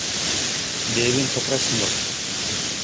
Левин покраснел.